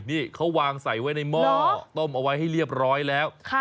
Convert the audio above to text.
นี่เขาวางใส่ไว้ในหม้อต้มเอาไว้ให้เรียบร้อยแล้ว